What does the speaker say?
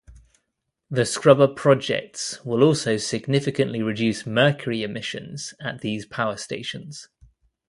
The scrubber projects will also significantly reduce mercury emissions at these power stations.